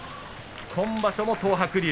今場所も東白龍。